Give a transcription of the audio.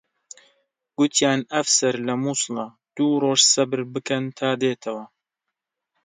گوتیان ئەفسەر لە مووسڵە، دوو ڕۆژ سەبر بکەن تا دێتەوە